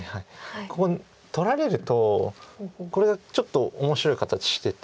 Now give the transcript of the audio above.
ここ取られるとこれがちょっと面白い形してて。